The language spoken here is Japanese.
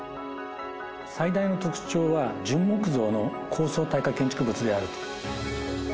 最大の特徴は、純木造の高層耐火建築物であると。